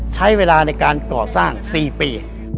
ใช้เวลาในการก่อสร้าง๔ปี